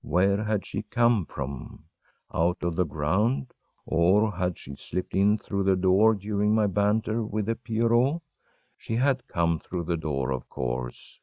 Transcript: Where had she come from? Out of the ground? Or had she slipped in through the door during my banter with the pierrot? She had come through the door, of course.